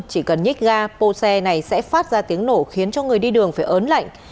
chỉ cần nhích ga pô xe này sẽ phát ra tiếng nổ khiến cho người đi đường phải ớn lạnh